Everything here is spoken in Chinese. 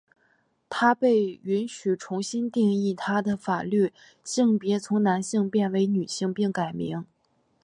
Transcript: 她被允许重新定义她的法律性别从男性变为女性并改名。